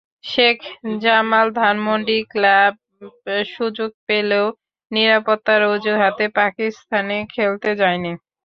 Sheikh Jamal Dhanmondi club সুযোগ পেলেও নিরাপত্তার অজুহাতে পাকিস্তানে খেলতে যায়নি।